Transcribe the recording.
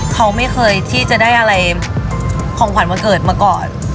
เขาไม่เคยที่จะได้อะไรของขวัญวันเกิดมาก่อน